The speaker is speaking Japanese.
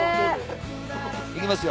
行きますよ。